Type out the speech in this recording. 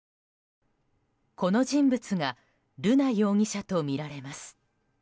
この人物が瑠奈容疑者とみられます。